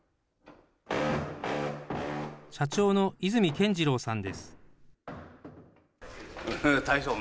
社長の泉謙二郎さんです。